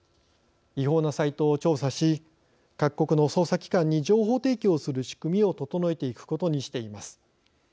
違法なサイトを調査し各国の捜査機関に情報提供する仕組みを整えていくことにしています。